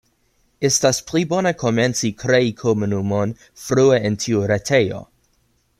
Estas pli bone komenci krei komunumon frue en tiu retejo.